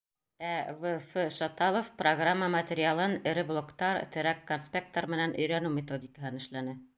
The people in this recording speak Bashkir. Ә В. Ф. Шаталов программа материалын эре блоктар, терәк конспекттар менән өйрәнеү методикаһын эшләне.